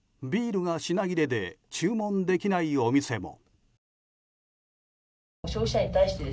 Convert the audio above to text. ビールが品切れで注文できないお店も。